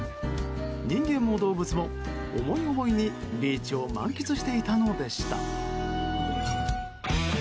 人間も動物も、思い思いにビーチを満喫していたのでした。